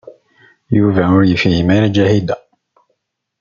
Yuba ur yefhim ara Ǧahida.